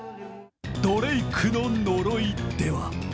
ドレイクの呪いでは？